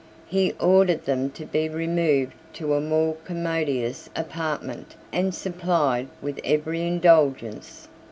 He ordered them to be removed to a more commodious apartment and supplied with every indulgence.